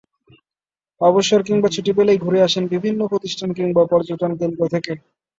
অবসর কিংবা ছুটি পেলেই ঘুরে আসেন বিভিন্ন প্রতিষ্ঠান কিংবা পর্যটনকেন্দ্র থেকে।